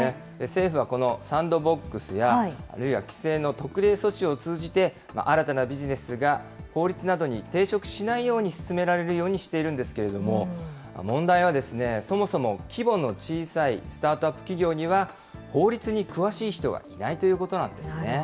政府はこのサンドボックスや、あるいは規制の特例措置を通じて、新たなビジネスが法律などに抵触しないように進められるようにしているんですけれども、問題はそもそも、規模の小さいスタートアップ企業には、法律に詳しい人がいないということなんです。